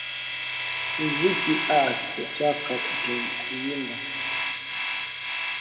muziki aa sitachoka kukuimba